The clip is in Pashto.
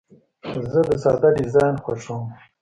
زه د ساده ډیزاین خوښوم.